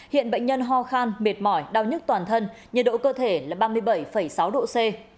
hiện bệnh nhân ho khan mệt mỏi đau nhức toàn thân nhiệt độ cơ thể là ba mươi bảy sáu độ c